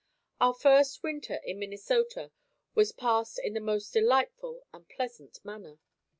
Our first winter in Minnesota was passed in the most delightful and pleasant manner.